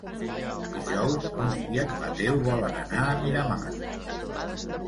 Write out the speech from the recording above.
Dijous n'Hug i en Mateu volen anar a Miramar.